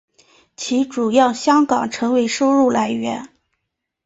其中主要香港成为收入来源。